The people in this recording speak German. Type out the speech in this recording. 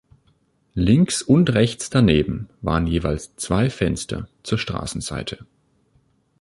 Links und rechts daneben waren jeweils zwei Fenster zur Straßenseite.